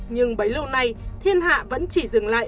nhưng bấy lâu nay thiên hạ vẫn chỉ dừng lại